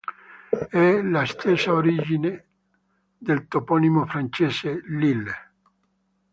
È la stessa origine del toponimo francese "Lille".